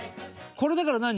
これだから何？